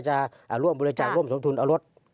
จะร่วมบริจาคร่วมสมทุนเอารถ